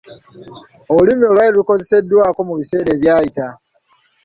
Olulimi olwo lwali lukozeseddwako mu biseera ebyayita.